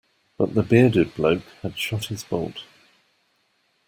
But the bearded bloke had shot his bolt.